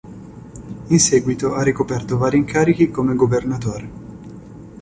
In seguito ha ricoperto vari incarichi come governatore.